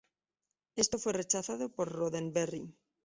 Esto fue rechazado por Roddenberry.